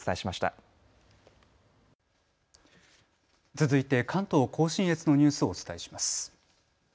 続いて関東甲信越のニュースをお伝えします。